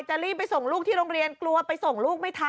รีบไปส่งลูกที่โรงเรียนกลัวไปส่งลูกไม่ทัน